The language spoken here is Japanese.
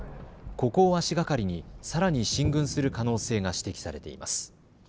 ここを足がかりにさらに進軍する可能性が指摘されています。